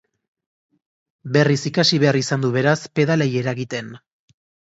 Berriz ikasi behar izan du, beraz, pedalei eragiten.